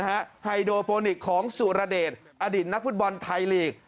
ไฮโดโปนิกของสุรเดชอดิตนักฟุตบอลไทยลีก